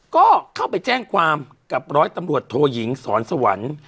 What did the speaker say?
ก็เข้าไปแจ้งความกับร้อยตำรวจโทหหห์หญิงสวรรค์สวรรค์